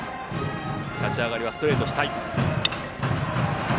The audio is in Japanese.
立ち上がりはストレート主体。